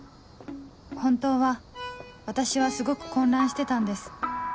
本当は私はすごく混乱してたんです